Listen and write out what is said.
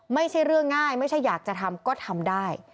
ไม่ใช่เรื่องง่ายไม่ใช่อยากจะทำก็ทำได้